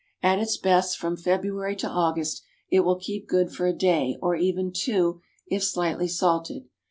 At its best from February to August. It will keep good for a day, or even two, if slightly salted.